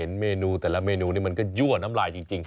เมนูแต่ละเมนูนี่มันก็ยั่วน้ำลายจริง